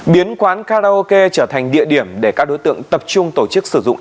biến quán karaoke trở thành địa điểm để các đối tượng tập trung tổ chức sử dụng